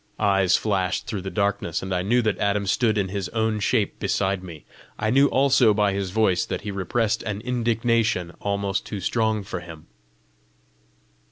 Eyes flashed through the darkness, and I knew that Adam stood in his own shape beside me. I knew also by his voice that he repressed an indignation almost too strong for him.